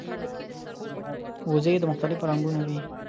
وزې د مختلفو رنګونو وي